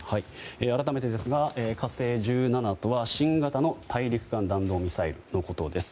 改めてですが「火星１７」とは新型の大陸間弾道ミサイルのことです。